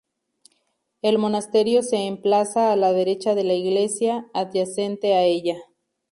El monasterio se emplaza a la derecha de la iglesia, adyacente a ella.